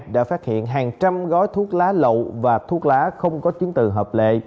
đã phát hiện hàng trăm gói thuốc lá lậu và thuốc lá không có chứng từ hợp lệ